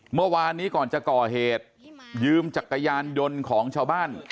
เมื่อวานนี้ก่อนจะก่อเหตุยืมจักรยานยนต์ของชาวบ้าน